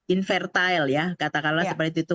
invertile ya katakanlah seperti itu